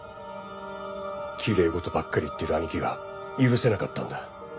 きれい事ばっかり言ってる兄貴が許せなかったんだ。